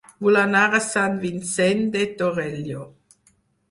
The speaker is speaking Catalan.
Vull anar a Sant Vicenç de Torelló